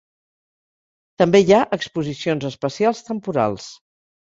També hi ha exposicions especials temporals.